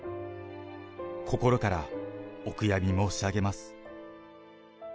心からお悔やみ申し上げます。